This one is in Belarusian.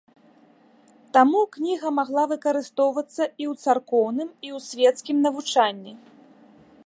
Таму кніга магла выкарыстоўвацца і ў царкоўным, і ў свецкім навучанні.